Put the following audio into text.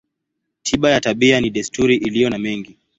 Tiba ya tabia ni desturi iliyo na mengi.